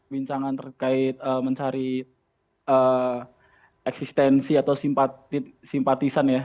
bincangan terkait mencari eksistensi atau simpatisan ya